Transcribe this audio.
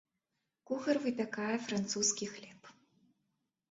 Кухар выпякае французскі хлеб.